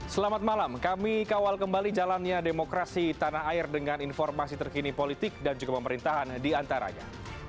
selamat malam kami kawal kembali jalannya demokrasi tanah air dengan informasi terkini politik dan juga pemerintahan diantaranya